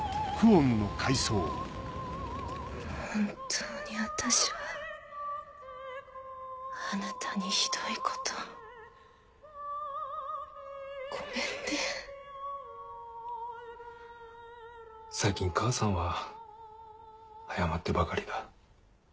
本当に私はあなたにひどいことをごめんね最近母さんは謝ってばかりだ